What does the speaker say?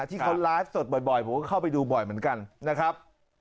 ที่เขาไลฟ์สดบ่อยผมก็เข้าไปดูบ่อยเหมือนกันนะครับ